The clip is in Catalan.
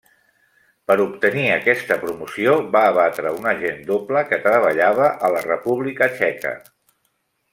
Per obtenir aquesta promoció, va abatre un agent doble que treballava a la República txeca.